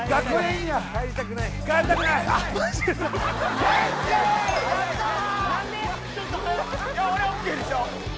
いや俺ＯＫでしょ？